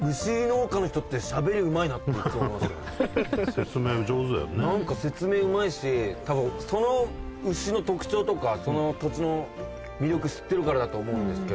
説明上手だよね何か説明うまいしたぶんその牛の特徴とかその土地の魅力知ってるからだと思うんですけど